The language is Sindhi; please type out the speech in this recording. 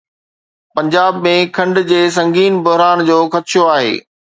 پنجاب ۾ کنڊ جي سنگين بحران جو خدشو آهي